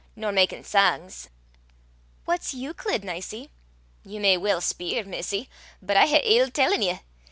nor makin' sangs." "What's Euclid, Nicie?" "Ye may weel speir, missie! but I hae ill tellin' ye.